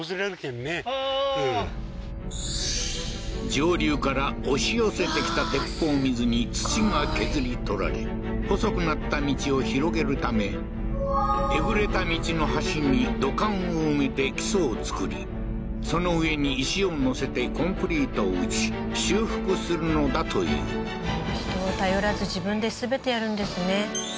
上流から押し寄せてきた鉄砲水に土が削り取られ細くなった道を広げるためえぐれた道の端に土管を埋めて基礎を造りその上に石を載せてコンクリートを打ち修復するのだという人を頼らず自分で全てやるんですね